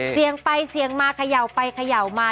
เสียงไปเสี่ยงมาเขย่าไปเขย่ามา